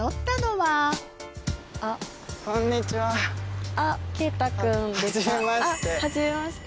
はじめまして。